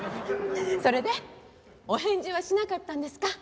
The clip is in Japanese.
それでお返事はしなかったんですか？